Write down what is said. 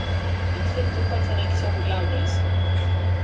Dins del tub els anells són glabres.